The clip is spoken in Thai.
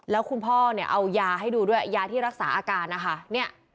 แล้วคุณพ่อเอายาให้ดูด้วยยาที่รักษาอาการนะคะ